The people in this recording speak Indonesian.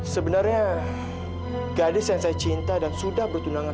sebenarnya gadis yang saya cinta dan sudah bertunangan